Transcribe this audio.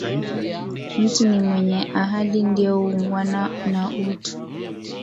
Mtu ni mwenye ahadi, ndio u’ngwana na utu